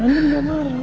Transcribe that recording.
andi gak marah